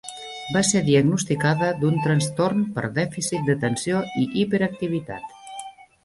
Va ser diagnosticada d'un trastorn per dèficit d'atenció i hiperactivitat.